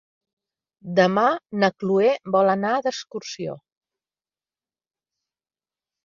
Demà na Chloé vol anar d'excursió.